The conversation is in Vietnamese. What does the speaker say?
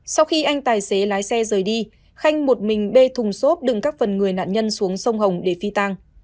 sau khi anh tài xế lái xe rời đi khanh một mình bê thùng xốp đựng các phần người nạn nhân xuống sông hồng để phi tang